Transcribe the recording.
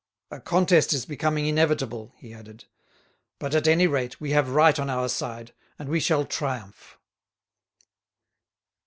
"A contest is becoming inevitable," he added; "but, at any rate, we have right on our side, and we shall triumph."